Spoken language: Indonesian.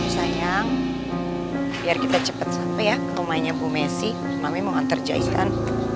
sayang biar kita cepet cepet ya ke rumahnya bu messi mami mau nganter jahitan